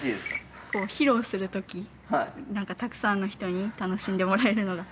披露する時何かたくさんの人に楽しんでもらえるのが。